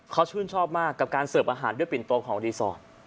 เขาชื่นชอบมากกับการเสิร์ฟอาหารด้วยปิ่นโตของรีสอร์ท